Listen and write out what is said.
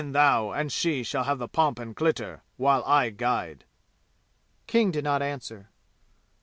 Then, thou and she shall have the pomp and glitter while I guide!" King did not answer.